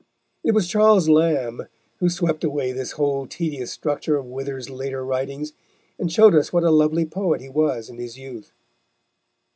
It was Charles Lamb who swept away this whole tedious structure of Wither's later writings and showed us what a lovely poet he was in his youth.